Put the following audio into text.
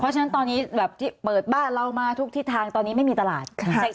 เพราะฉะนั้นตอนนี้แบบที่เปิดบ้านเรามาทุกทิศทางตอนนี้ไม่มีตลาด